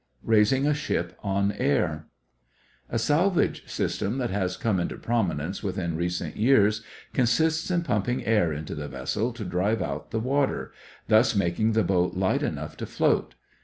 RAISING A SHIP ON AIR A salvage system that has come into prominence within recent years consists in pumping air into the vessel to drive the water out, thus making the boat light enough to float.